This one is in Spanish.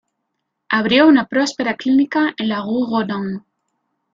Abrió una próspera clínica en la rue Rodin.